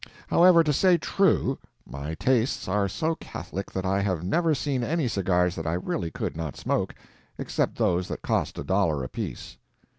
However, to say true, my tastes are so catholic that I have never seen any cigars that I really could not smoke, except those that cost a dollar apiece.